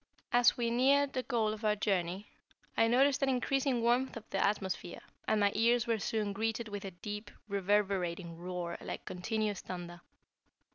As we neared the goal of our journey, I noticed an increasing warmth of the atmosphere, and my ears were soon greeted with a deep, reverberating roar like continuous thunder.